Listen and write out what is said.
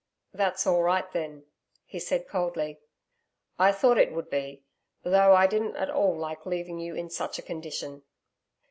'That's all right then,' he said coldly. 'I thought it would be, though I didn't at all like leaving you in such a condition.'